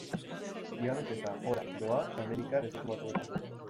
Diabetesa gora doa Amerikar Estatu Batuetan.